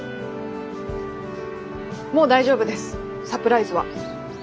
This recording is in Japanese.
もう大丈夫ですサプライズは。